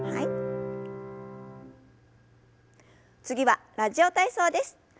次は「ラジオ体操」です。